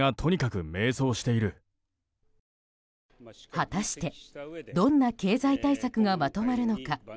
果たしてどんな経済対策がまとまるのか。